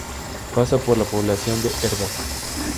Pasa por la población de Hervás.